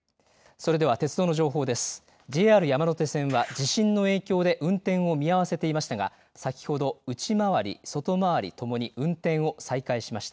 ＪＲ山手線は、地震の影響で運転を見合わせていましたが先ほど内回り外回りともに運転を再開しました。